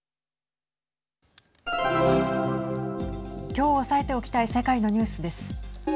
きょう押さえておきたい世界のニュースです。